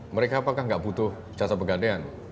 mereka apakah nggak butuh jasa pegadean